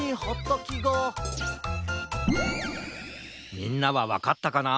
みんなはわかったかな？